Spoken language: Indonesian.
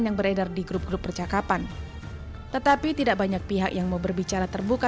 yang beredar di grup grup percakapan tetapi tidak banyak pihak yang mau berbicara terbuka